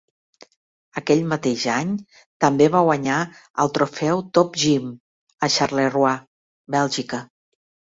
Aquell mateix any també va guanyar el trofeu "Top Gym" a Charleroi, Bèlgica.